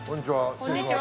こんにちは。